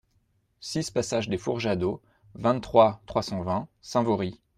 six passage des Fourjadeaux, vingt-trois, trois cent vingt, Saint-Vaury